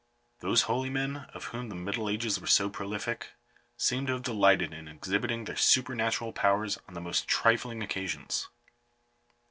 Those holy men of whom the middle ages were so prolific, seem to have delighted in exhibiting their supernatural powers on the most trifling occasions.